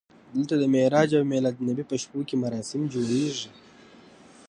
دلته د معراج او میلادالنبي په شپو کې مراسم جوړېږي.